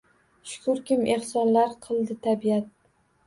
Shukrkim, ehsonlar qildi tabiat…